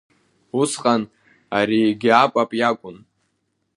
Усҟан ари егьи апап иакәын.